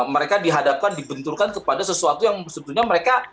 mereka dihadapkan dibenturkan kepada sesuatu yang sebetulnya mereka